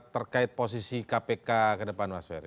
terkait posisi kpk ke depan mas ferry